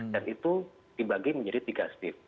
dan itu dibagi menjadi tiga setiap